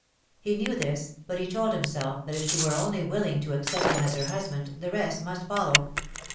He knew this, but he told himself that if she were only willing to accept him as her husband, the rest must follow.